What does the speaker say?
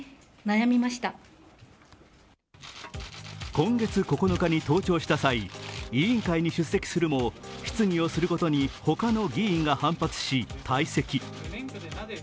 今月９日に登庁した際、委員会に出席するも質疑をすることに他の議員が反発し、退席。